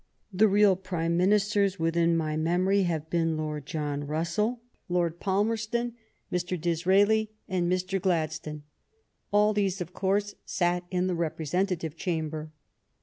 The real Prime Minis ters within my memory have been Lord John Russell, Lord Palmerston, Mr. Disraeli, and Mr. Gladstone. All these, of course, sat in the Repre sentative Chamber.